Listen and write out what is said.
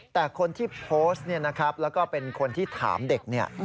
แต่คนที่โพสต์แล้วก็เป็นคนที่ถามเด็ก